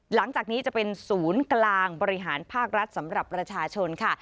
หลังจากนี้จะเป็นศูนย์กลางบริหารภาครัฐสำหรับประชาชนค่ะ